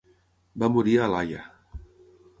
Va morir a L'Haia.